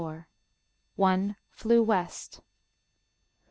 "ONE FLEW WEST."